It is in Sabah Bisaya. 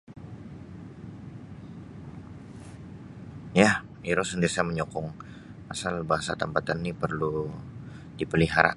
Ya iro santiasa manyokong asal bahasa tampatan ni perlu dipelihara.